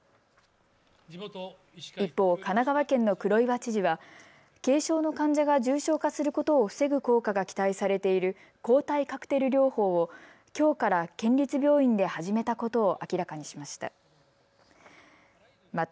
一方、神奈川県の黒岩知事は軽症の患者が重症化することを防ぐ効果が期待されている抗体カクテル療法をきょうから県立病院で始めたことを明らかにしました。